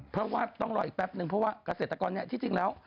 เพราะว่าต้องรออีกแป๊บนึงเพราะว่าเกษตรกรที่จริงแล้ว